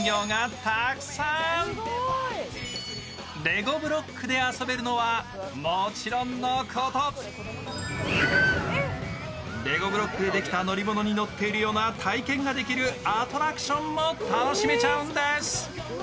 レゴブロックで遊べるのはもちろんのこと、レゴブロックでできた乗り物に乗っているような体験ができるアトラクションも楽しめちゃうんです。